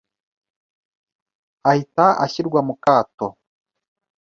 ahita ashyirwa mu kato